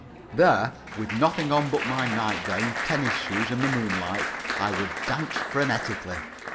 There, with nothing on but my nightgown, tennis shoes, and the moonlight, I would dance frenetically.